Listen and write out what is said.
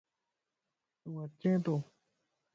تُوا چين تو؟